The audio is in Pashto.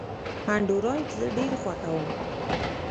انډرایډ زه ډېر خوښوم.